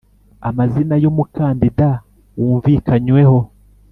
Amazina y umukandida wumvikanyweho